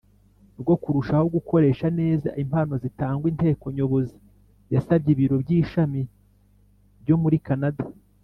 rwo kurushaho gukoresha neza impano zitangwa Inteko Nyobozi yasabye ibiro by ishami byo muri Kanada